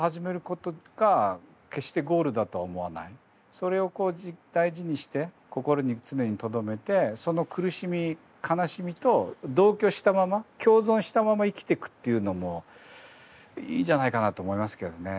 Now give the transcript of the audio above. それを大事にして心に常にとどめてその苦しみ悲しみと同居したまま共存したまま生きていくっていうのもいいんじゃないかなと思いますけどね。